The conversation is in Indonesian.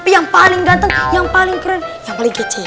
yang paling ganteng yang paling keren yang paling kecil